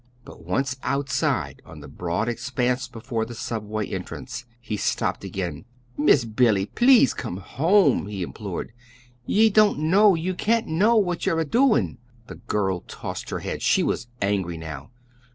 But once outside on the broad expanse before the Subway entrance he stopped again. "Miss Billy, please come home," he implored. "Ye don't know ye can't know what yer a doin'!" The girl tossed her head. She was angry now.